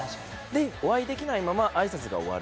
でお会いできないまま挨拶が終わる。